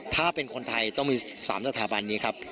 ถ้าเป็นคนไทยต้องมี๓สถาบันนี้ครับ